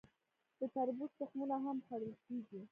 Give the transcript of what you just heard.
د تربوز تخمونه هم خوړل کیږي.